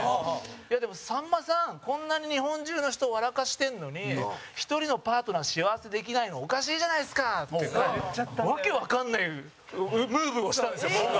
「でも、さんまさん、こんなに日本中の人を笑かしてるのに１人のパートナーを幸せにできないのはおかしいじゃないですか！」って訳わからないムーブをしたんですよ、僕が。